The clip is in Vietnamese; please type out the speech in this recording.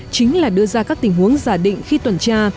chính là đưa ra các tình huống giả định khi tuần tra